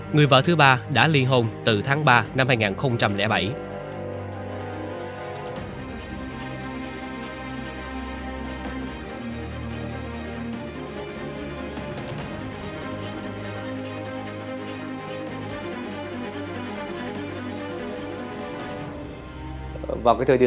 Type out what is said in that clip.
người vợ thứ ba đã xác định